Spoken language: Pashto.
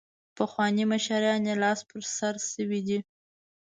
پخواني مشران یې لاس په سر شوي دي.